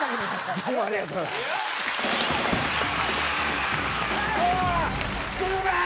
どうもありがとうございましたああーっ鶴瓶！